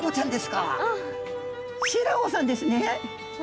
「シイラ夫さんですね」。